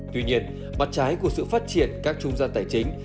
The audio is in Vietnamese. tuy nhiên mặt trái của sự phát triển các trung gian tài chính